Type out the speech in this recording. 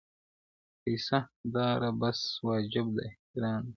پیسه داره بس واجب د احترام دي,